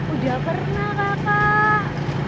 udah pernah kakak